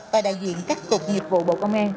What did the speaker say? và đạo diện các cục nhiệm vụ bộ công an